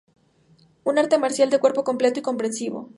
Un arte marcial de cuerpo completo y comprensivo.